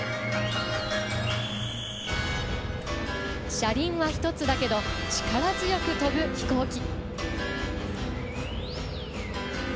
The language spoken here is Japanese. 車輪は１つだけど力強く飛ぶ飛行機。